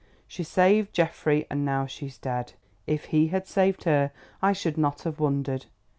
She saved Geoffrey and now she's dead. If he had saved her I should not have wondered.